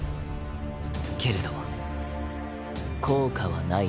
けれど効果はないな。